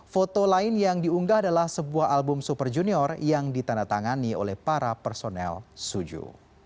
foto lain yang diunggah adalah sebuah album super junior yang ditandatangani oleh para personel suju